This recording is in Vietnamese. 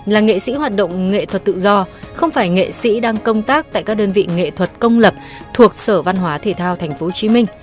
là nghệ sĩ hoạt động nghệ thuật tự do không phải nghệ sĩ đang công tác tại các đơn vị nghệ thuật công lập thuộc sở văn hóa thể thao tp hcm